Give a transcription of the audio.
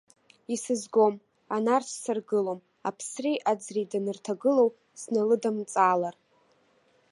Исызгом, анарцә саргылом, аԥсреи аӡреи данырҭагылоу, сналыдымҵаалар.